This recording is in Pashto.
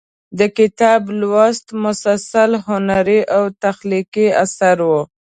د کتاب لوست مسلسل هنري او تخلیقي اثر و.